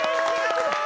すごい。